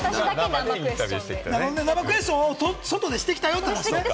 生クエスチョンを外でしてきたよって話ね。